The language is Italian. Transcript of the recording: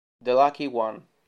The Lucky One